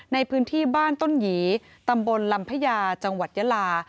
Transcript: ในพื้นที่บ้านต้นหยีตำบลลำพญาจังหวัดยาลา